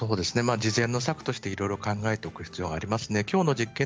事前の策として、いろいろ考えておくことが必要です。